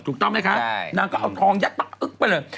ถูกต้องไหมคะนางก็เอาทองยัดปักอึ๊กไปเลย